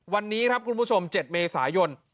วันนี้ครับคุณผู้ชม๗เมษายน